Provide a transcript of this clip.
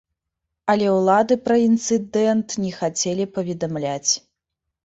Але ўлады пра інцыдэнт не хацелі паведамляць.